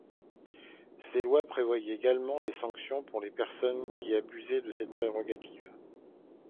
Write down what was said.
Ces lois prévoyaient également des sanctions pour les personnes qui abusaient de cette prérogative.